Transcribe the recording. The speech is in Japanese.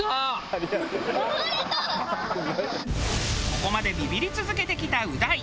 ここまでビビり続けてきたう大。